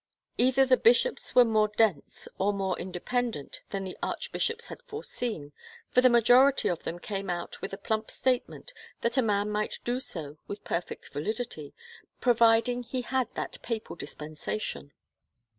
Either the bishops were more dense or more independent than the archbishops had foreseen for the majority of them came out with a plump statement that a man might do so with perfect validity, providing he had that papal dispensation.